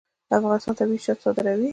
افغانستان طبیعي شات صادروي